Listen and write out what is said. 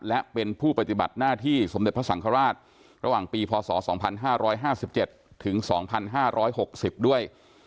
และเป็นผู้ปฏิบัติหน้าที่สมเด็จพระสังฆราชระหว่างปีพศ๒๕๕๗ถึง๒๕๖๐ด้วย